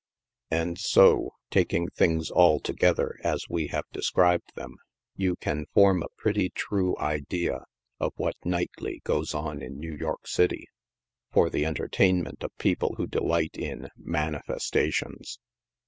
And so, taking things altogether as we have described thorn, you can form a pretty true idea of what nightly goes on in New York City for the entertainment of people who delight in " manifesta tions."